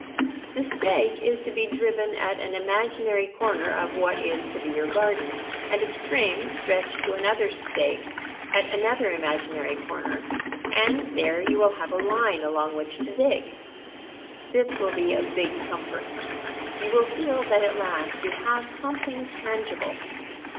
"] The stake is to be driven at an imaginary corner of what is to be your garden, and a string stretched to another stake at another imaginary corner, and there you have a line along which to dig. This will be a big comfort. You will feel that at last you have something tangible.